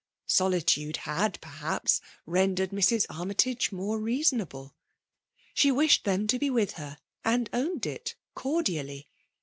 Solitude had, perhaps^ rendered Mrs. Armytage more reasonable. She wished them to be with her, and owned it cordially.